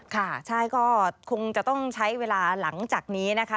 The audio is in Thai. ค่ะใช่ก็คงจะต้องใช้เวลาหลังจากนี้นะคะ